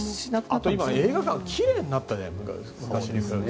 あと、映画館がきれいになったじゃない。